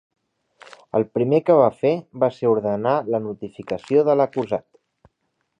El primer que va fer va ser ordenar la notificació de l'acusat.